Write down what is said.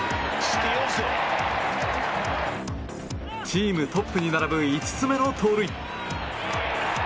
チームトップに並ぶ５つ目の盗塁。